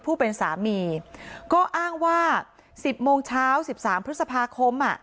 ผู้เป็นสามีก็อ้างว่า๑๐โมงเช้า๑๓พฤษภาคม